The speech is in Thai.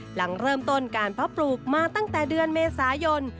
หลังเริ่มต้นการเพาะปลูกมาตั้งแต่เดือนเมษายน